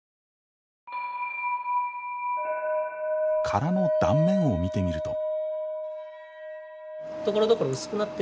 殻の断面を見てみると。